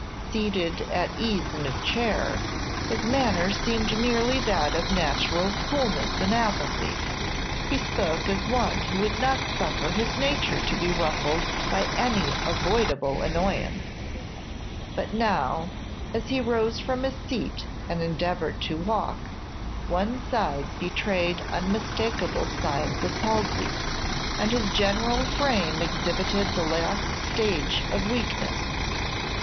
Seated at ease in a chair, his manner seemed merely that of natural coolness and apathy; he spoke as one who would not suffer his nature to be ruffled by any avoidable annoyance; but now, as he arose from his seat, and endeavored to walk, one side betrayed unmistakable signs of palsy, and his general frame exhibited the last stage of weakness.